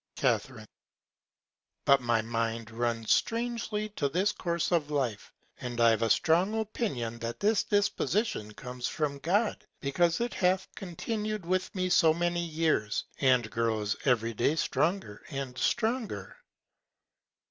Ca. But my Mind runs strangely upon this Course of Life, and I have a strong Opinion that this Disposition comes from God, because it hath continu'd with me so many Years, and grows every Day stronger and stronger.